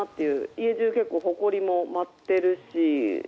家じゅう、ほこりも舞ってるし。